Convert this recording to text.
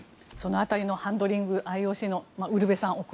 その辺りのハンドリングＩＯＣのウルヴェさん